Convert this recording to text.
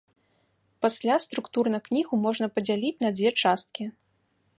Пасля структурна кнігу можна падзяліць два дзве часткі.